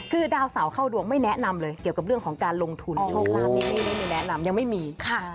คือดาวเสาเข้าดวงไม่แนะนำเลยเกี่ยวกับเรื่องของการลงทุนโชคลาภนี่ไม่มีแนะนำยังไม่มี